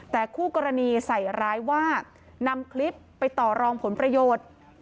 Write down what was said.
แต่คู่กรณีใส่ร้ายว่านำคลิปไปต่อรองผลประโยชน์